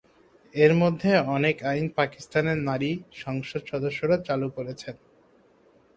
এর মধ্যে অনেক আইন পাকিস্তানের নারী সংসদ সদস্যরা চালু করেছেন।